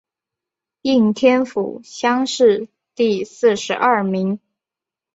应天府乡试第四十二名。